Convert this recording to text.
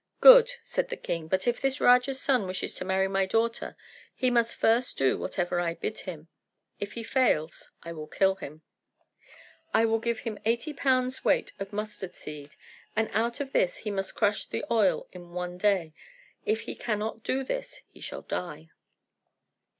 "Good," said the king; "but if this Raja's son wishes to marry my daughter, he must first do whatever I bid him. If he fails I will kill him. I will give him eighty pounds weight of mustard seed, and out of this he must crush the oil in one day. If he cannot do this he shall die."